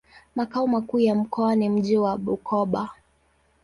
Makao makuu ya mkoa ni mji wa Bukoba.